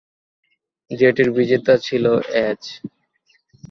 যেটির বিজেতা ছিল এজ।